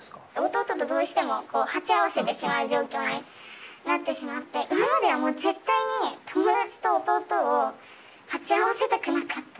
弟とどうしても鉢合わせてしまう状況になってしまって、今までは絶対に友達と弟を鉢合わせたくなかった。